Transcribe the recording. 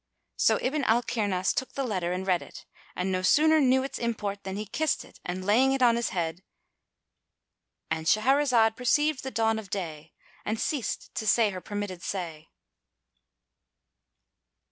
So Ibn al Kirnas took the letter and read it; and no sooner knew its import than he kissed it and laying it on his head—And Shahrazad perceived the dawn of day and ceased to say her permitted say.